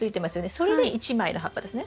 それで１枚の葉っぱですね。